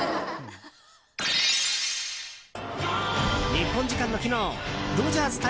日本時間の昨日ドジャース対